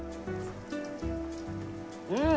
うん！